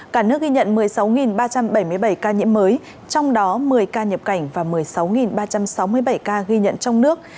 cả nước ghi nhận một mươi sáu ba trăm bảy mươi bảy ca nhiễm mới trong đó một mươi ca nhập cảnh và một mươi sáu ba trăm sáu mươi bảy ca ghi nhận trong nước